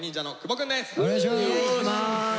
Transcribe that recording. お願いします。